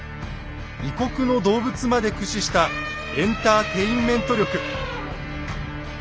異国の動物まで駆使したエンターテインメント力。